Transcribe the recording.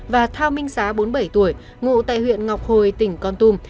và thao minh sá bốn mươi bảy tuổi ngụ tại huyện ngọc hồi tỉnh con tùm